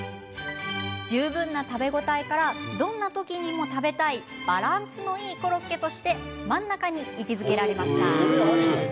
十分な食べ応えからどんな時にも食べたいバランスのいいコロッケとして真ん中に位置づけられました。